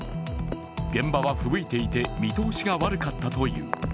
現場はふぶいていて、見通しが悪かったという。